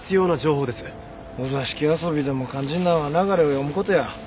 お座敷遊びでも肝心なんは流れを読む事や。